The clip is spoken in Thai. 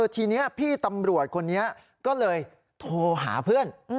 ทีนี้พี่ตำรวจคนนี้ก็เลยโทรหาเพื่อน